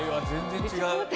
全然違う。